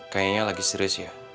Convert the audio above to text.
kayaknya lagi serius ya